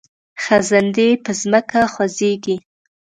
خزندې په ځمکه خوځیږي